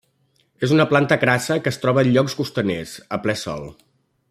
És una planta crassa que es troba a llocs costaners, a ple Sol.